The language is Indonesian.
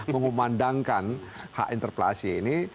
memandangkan hak interpelasi ini